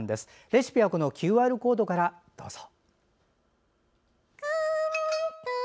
レシピはＱＲコードからどうぞ。